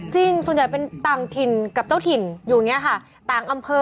ส่วนใหญ่เป็นต่างถิ่นกับเจ้าถิ่นอยู่อย่างนี้ค่ะต่างอำเภอ